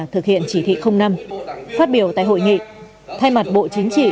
thực hiện chỉ thị năm phát biểu tại hội nghị thay mặt bộ chính trị